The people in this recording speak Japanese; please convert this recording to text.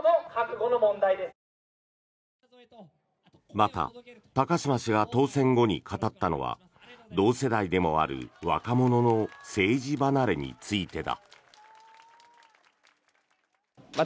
また、高島氏が当選後に語ったのは同世代でもある若者の政治離れについてだ。